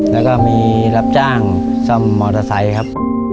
แล้วก็มีรับจ้างซ่อมมอเตอร์ไซค์ครับ